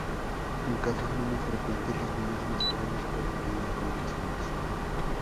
En casos menos frecuentes, los niños más jóvenes pueden tener convulsiones.